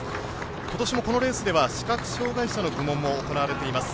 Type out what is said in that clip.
今年もこのレースでは視覚障害者の部門も行われています。